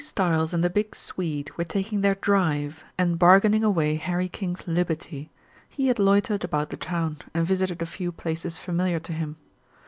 Stiles and the big Swede were taking their drive and bargaining away Harry King's liberty, he had loitered about the town, and visited a few places familiar to him.